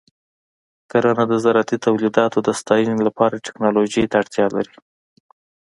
کرنه د زراعتي تولیداتو د ساتنې لپاره ټیکنالوژۍ ته اړتیا لري.